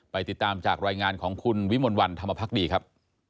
ติดตามจากรายงานของคุณวิมลวันธรรมพักดีครับ